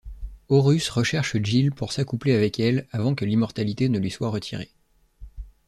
Horus recherche Jill pour s'accoupler avec elle, avant que l'immortalité ne lui soit retirée.